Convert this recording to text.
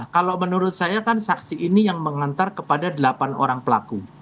kalau menurut saya kan saksi ini yang mengantar kepada delapan orang pelaku